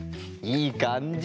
いいかんじ！